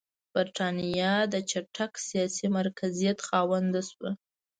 برېټانیا د چټک سیاسي مرکزیت خاونده شوه.